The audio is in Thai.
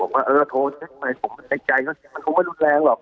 ผมก็โทรเซ็กต์ไปในใจเขาก็ไม่รู้แรงหรอก